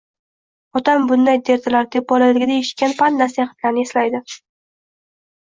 “Otam bunday derdilar”, deb bolaligida eshitgan pand-nasihatlarni eslaydi.